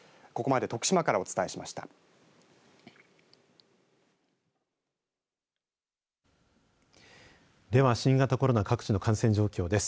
では新型コロナ各地の感染状況です。